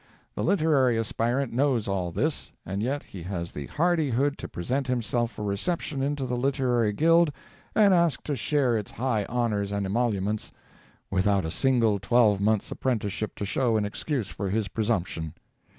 The literary aspirant knows all this, and yet he has the hardihood to present himself for reception into the literary guild and ask to share its high honors and emoluments, without a single twelvemonth's apprenticeship to show in excuse for his presumption!